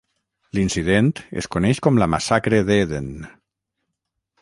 L'incident es coneix com la massacre d'Ehden.